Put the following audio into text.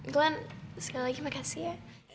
tuhan sekali lagi makasih ya